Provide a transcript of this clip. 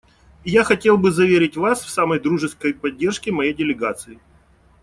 И я хотел бы заверить вас в самой дружеской поддержке моей делегации.